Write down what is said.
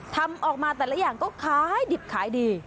ทำออกมาแต่ละอย่างก็ขายดิบขายดี